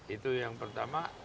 itu yang pertama